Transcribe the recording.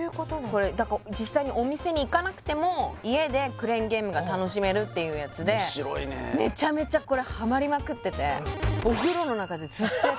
これ実際にお店に行かなくても家でクレーンゲームが楽しめるっていうやつで面白いねめちゃめちゃこれお風呂の中で！？